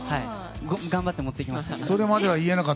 頑張って持っていきました。